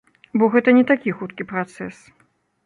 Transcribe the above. Бо гэта не такі хуткі працэс.